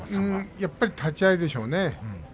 やっぱり立ち合いでしょうね。